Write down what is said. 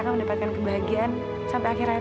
kak dika aku kangen sama kakak